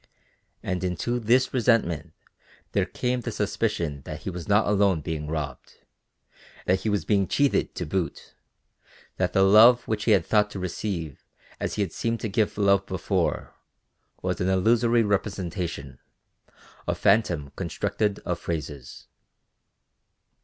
And into this resentment there came the suspicion that he was not alone being robbed, that he was being cheated to boot, that the love which he had thought to receive as he had seemed to give love before, was an illusory representation, a phantom constructed of phrases.